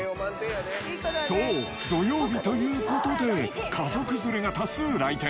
そう、土曜日ということで家族連れが多数来店。